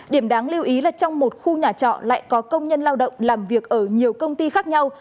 điểm đáng lưu ý là trong một khu nhà trọ lại có công nhân lao động làm việc ở nhiều công ty khác nhau